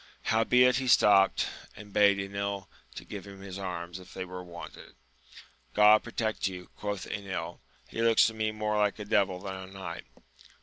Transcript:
Howbeit he stopt, and bade Enil give him his arms if they were wanted. God protect you ! quoth Enil, he looks to me more like a devil than a knight.